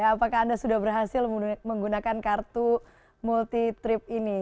apakah anda sudah berhasil menggunakan kartu multi trip ini